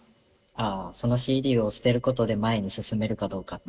ああそのＣＤを捨てることで前に進めるかどうか？